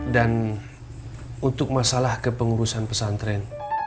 dan untuk masalah kepengurusan pesantren